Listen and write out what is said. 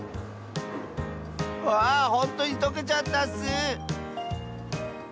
わあほんとにとけちゃったッス！